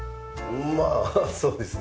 まあそうですね。